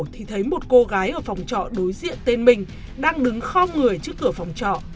thì thấy một cô gái ở phòng trọ đối diện tên mình đang đứng kho người trước cửa phòng trọ